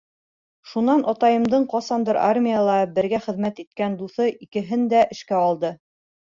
Шунан атайымдың ҡасандыр армияла бергә хеҙмәт иткән дуҫы икеһен дә эшкә алды...